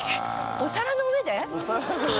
お皿の上で